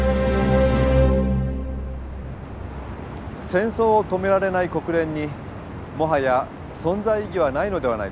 戦争を止められない国連にもはや存在意義はないのではないか。